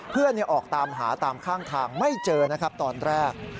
เพื่อนออกตามหาตามข้างไม่เจอนะครับตอนแรก